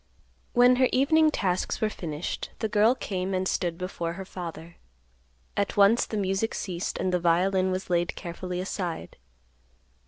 When her evening tasks were finished, the girl came and stood before her father. At once the music ceased and the violin was laid carefully aside.